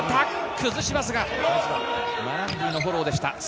崩しますが、マランディのフォローでした。